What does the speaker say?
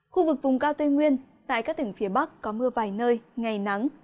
khu vực vùng cao tây nguyên tại các tỉnh phía bắc có mưa vài nơi ngày nắng